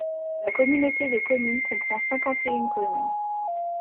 La communauté de communes comprend cinquante et une communes.